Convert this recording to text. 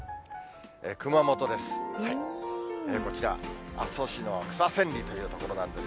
熊本です。